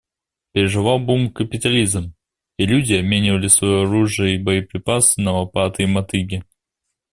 Переживал бум капитализм, и люди обменивали свое оружие и боеприпасы на лопаты и мотыги.